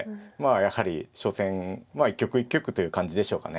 やはり初戦まあ一局一局という感じでしょうかね。